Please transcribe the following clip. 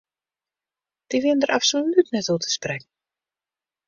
Dy wienen dêr absolút net oer te sprekken.